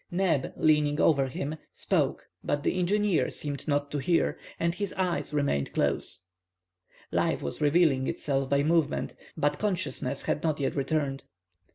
Neb, leaning over him, spoke, but the engineer seemed not to hear, and his eyes remained closed. Life was revealing itself by movement, but consciousness had not yet returned.